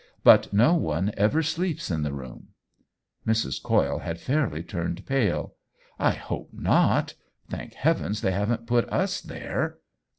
But no one ever sleeps in the room." Mrs. Coyle had fairly turned pale. "I hope not 1 Thank Heaven they haven't put «i there